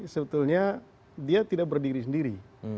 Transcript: sebetulnya dia tidak berdiri sendiri